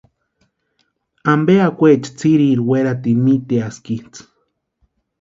¿Ampe akwaecha tsiriri weratini míteaskitsʼï?